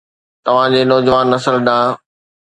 توهان جي نوجوان نسل ڏانهن